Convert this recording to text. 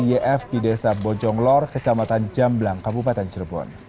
yf di desa bojong lor kecamatan jamblang kabupaten cerbon